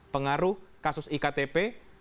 pengaruh kasus iktp